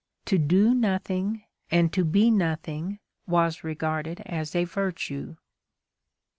To do nothing and to be nothing was regarded as a virtue.